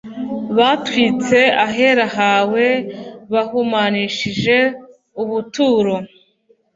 batwitse ahera hawe bahumanishije ubuturo